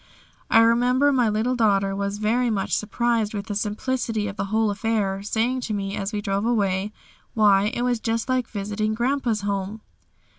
I remember my little daughter was very much surprised with the simplicity of the whole affair, saying to me as we drove away, "Why, it was just like visiting Grandpa's home."